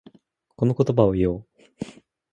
この言葉を言おう。